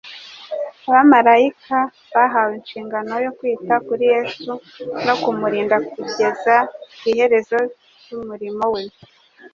Abamaraika bahawe inshingano yo kwita kuri Yesu no kumurinda kugeza ku iherezo ry'umurimo we,